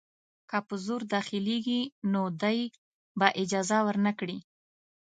که په زور داخلیږي نو دی به اجازه ورنه کړي.